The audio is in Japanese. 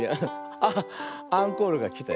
あっアンコールがきたよ。